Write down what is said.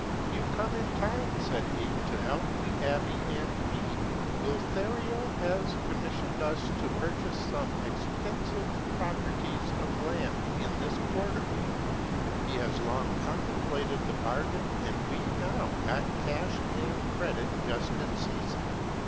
"You come in time," said he, "to help the abb6 and me. Lothario has commis sioned us to purchase some extensive properties of land iu this quarter : he has long contemplated the bargain, and we have now got cash and credit just in season.